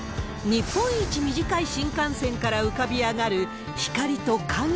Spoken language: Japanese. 日本一短い新幹線から浮かび上がる光と影。